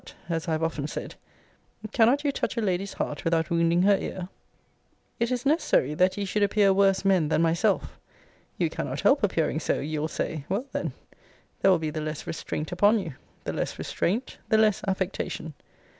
as I have often said, cannot you touch a lady's heart without wounding her ear? It is necessary that ye should appear worse men than myself. You cannot help appearing so, you'll say. Well, then, there will be the less restraint upon you the less restraint, the less affectation.